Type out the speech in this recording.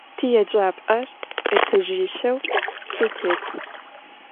Tiêcap'er etajjişeu zetêt.